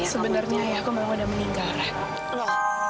sebenarnya ya aku belum ada meninggal